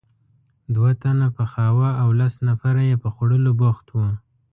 دوه تنه پخاوه او لس نفره یې په خوړلو بوخت وو.